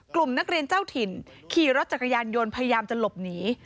กลุ่มนักเรียนเจ้าถิ่นขี่รถจักรยานยนต์พยายามจะหลบหนี